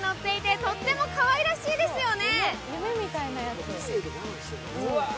ウインナーがのっていて、とってもかわいらしいですよね。